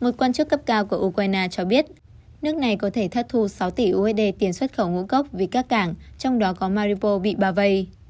một quan chức cấp cao của ukraine cho biết nước này có thể thất thu sáu tỷ usd tiền xuất khẩu ngũ cốc vì các cảng trong đó có maripo bị bao vây